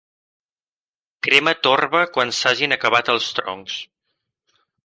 Crema torba quan s'hagin acabat els troncs.